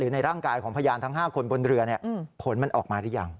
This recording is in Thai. ในร่างกายของพยานทั้ง๕คนบนเรือผลมันออกมาหรือยัง